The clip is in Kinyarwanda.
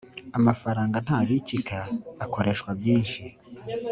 Amafaranga ntabikika akoreshwa byinshi